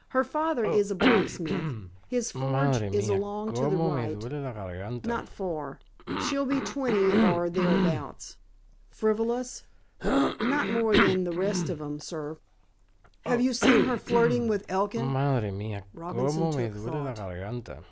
Her father is a blacksmith. His forge is along to the right, not far. She'll be twenty, or thereabouts." "Frivolous?" "Not more than the rest of 'em, sir." "Have you seen her flirting with Elkin?" Robinson took thought.